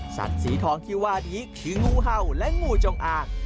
สัตว์สีทองที่วาดีคืองูเห่าและงูจงอาก